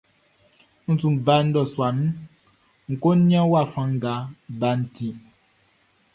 N su ba nnɔsua nun ń kó nían wafa nga baʼn tiʼn.